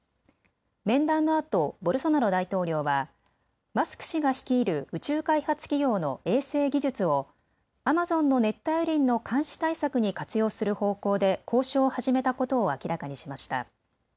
面談のあとボルソナロ大統領はマスク氏が率いる宇宙開発企業の衛星技術をアマゾンの熱帯雨林の監視対策に活用する方向で交渉を始めたことを明らかにしました。